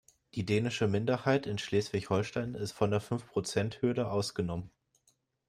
Die dänische Minderheit in Schleswig-Holstein ist von der Fünfprozenthürde ausgenommen.